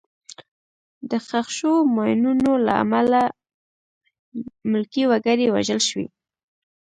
د ښخ شوو ماینونو له امله ملکي وګړي وژل شوي.